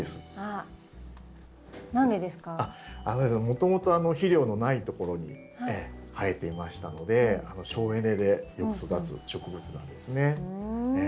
もともと肥料のないところに生えていましたので省エネでよく育つ植物なんですね。